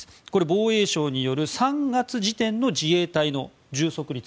防衛省による３月時点の自衛隊の充足率